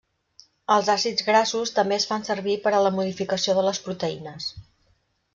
Els àcids grassos també es fan servir per a la modificació de les proteïnes.